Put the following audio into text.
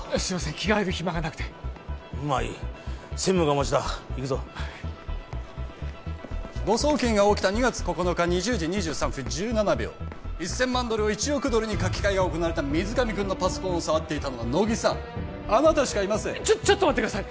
着替える暇がなくてまあいい専務がお待ちだ行くぞ誤送金が起きた２月９日２０時２３分１７秒１千万ドルを１億ドルに書き換えが行われた水上君のパソコンを触っていたのが乃木さんあなたしかいませんちょちょっと待ってください